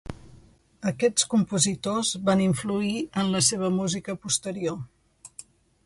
Aquests compositors van influir en la seva música posterior.